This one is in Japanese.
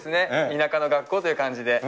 田舎の学校という感じで。